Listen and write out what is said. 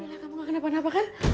bella kamu gak kenapa kenapa kan